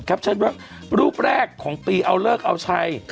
ว่ารูปแรกของปีเอาเลิกเอาชัย